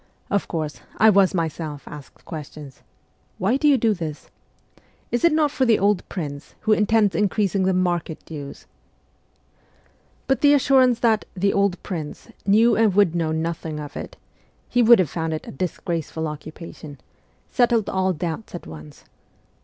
Of course, I was myself asked questions :' Why do you do this ?'' Is it not for the old prince, who intends increasing the market dues ?' But the assurance that the ' old prince ' knew and would know nothing of it (he would have found it a disgraceful occupation) settled all doubts at once.